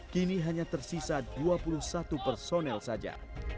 kini hanya tersisa dua puluh satu personel saja